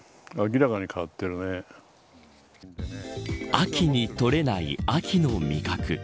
秋に採れない秋の味覚。